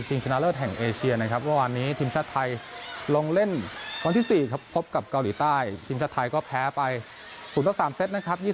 ชนะเลิศแห่งเอเชียนะครับเมื่อวานนี้ทีมชาติไทยลงเล่นวันที่๔ครับพบกับเกาหลีใต้ทีมชาติไทยก็แพ้ไป๐ต่อ๓เซตนะครับ